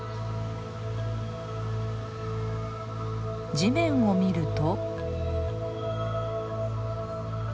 地面を見ると。